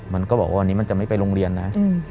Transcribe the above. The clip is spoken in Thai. มันก็บอกว่าวันนี้มันจะไม่ไปโรงเรียนนะ